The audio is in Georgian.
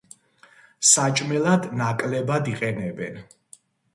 საჭმელად ნაკლებად იყენებენ.